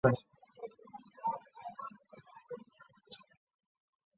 是京成本线特急通过站中上下车人次最多的车站。